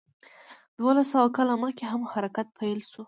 دولس سوه کاله مخکې هم حرکت پیل شوی و.